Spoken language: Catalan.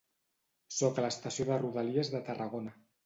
Soc a l'estació de rodalies de Tarragona.